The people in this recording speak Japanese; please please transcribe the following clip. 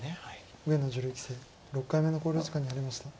上野女流棋聖６回目の考慮時間に入りました。